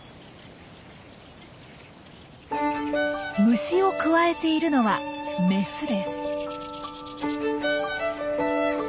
虫をくわえているのはメスです。